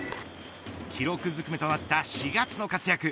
記録づくめとなった４月の活躍。